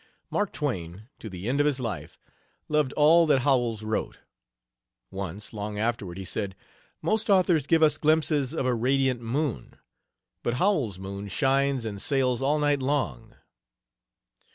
Mark Twain, to the end of his life, loved all that Howells wrote. Once, long afterward, he said: "Most authors give us glimpses of a radiant moon, but Howells's moon shines and sails all night long."